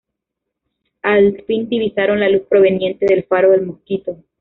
Al fin divisaron la luz proveniente del faro de Mosquito.